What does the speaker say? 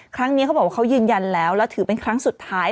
ครั้งนี้เขาบอกว่าเขายืนยันแล้วแล้วถือเป็นครั้งสุดท้าย